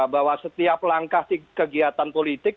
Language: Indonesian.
bahwa setiap langkah kegiatan politik